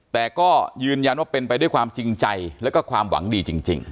แต่ก็ยืนยันว่าเป็นไปด้วยความจริงใจแล้วก็ความหวังดีจริง